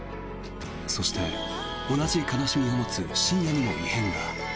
そして、同じ悲しみを持つ深夜にも異変が。